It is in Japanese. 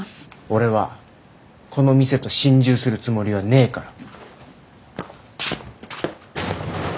俺はこの店と心中するつもりはねえから。